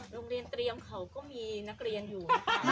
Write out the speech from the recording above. โรงเรียนเตรียมเขาก็มีนักเรียนอยู่นะคะ